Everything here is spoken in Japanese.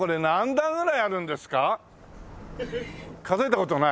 数えた事ない？